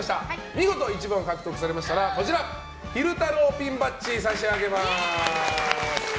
見事、１番を獲得されましたら昼太郎ピンバッジを差し上げます。